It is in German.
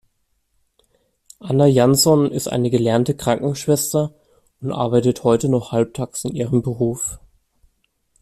Anna Jansson ist eine gelernte Krankenschwester und arbeitet heute noch halbtags in ihrem Beruf.